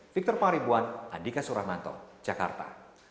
victor pangaribuan adhika suramanto jakarta